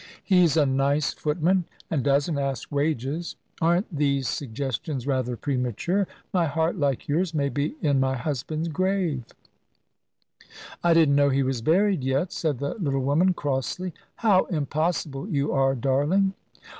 "He's a nice footman, and doesn't ask wages. Aren't these suggestions rather premature? My heart, like yours, may be in my husband's grave." "I didn't know he was buried yet," said the little woman, crossly. "How impossible you are, darling!"